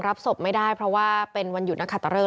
คงรับศพไม่ได้เพราะว่าเป็นวันหยุดณขตระเริง